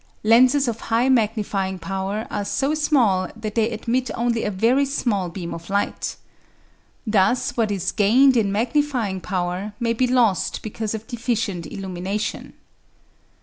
Lenses of high magnifying power are so small that they admit only a very small beam of light. Thus what is gained in magnifying power may be lost because of deficient illumination.